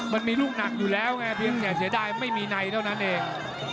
มันมีลูกหนักอยู่แล้วไงเพียงแต่เสียดายไม่มีในเท่านั้นเอง